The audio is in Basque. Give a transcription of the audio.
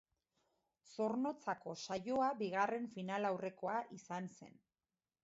Zornotzako saioa bigarren finalaurrekoa izan zen.